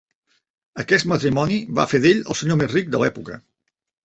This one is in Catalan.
Aquest matrimoni va fer d'ell el senyor més ric de l'època.